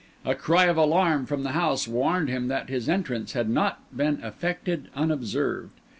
A cry of alarm from the house warned him that his entrance had not been effected unobserved.